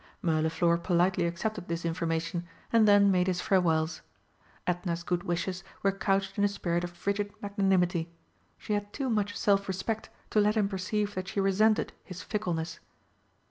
Mirliflor politely accepted this information, and then made his farewells. Edna's good wishes were couched in a spirit of frigid magnanimity. She had too much self respect to let him perceive that she resented his fickleness.